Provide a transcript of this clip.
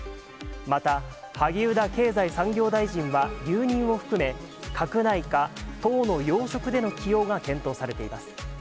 また、萩生田経済産業大臣は留任を含め、閣内か、党の要職での起用が検討されています。